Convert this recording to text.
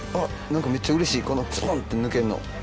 何かめっちゃうれしいこのスポン！って抜けるの。